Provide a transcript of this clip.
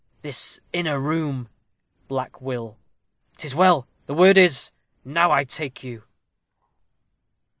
_ This inner room. Black Will. 'Tis well. The word is, "Now I take you."